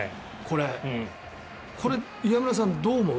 これ、岩村さんどう思う？